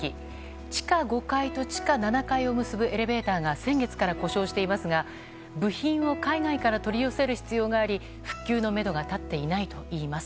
地下５階と地下７階を結ぶエレベーターが先月から故障していますが部品を海外から取り寄せる必要があり復旧のめどが立っていないといいます。